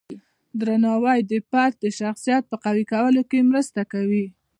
درناوی د فرد د شخصیت قوی کولو کې مرسته کوي.